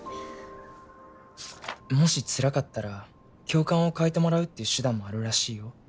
もしつらかったら教官を替えてもらうっていう手段もあるらしいよ。